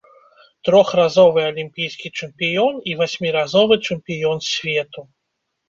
Трохразовы алімпійскі чэмпіён і васьміразовы чэмпіён свету.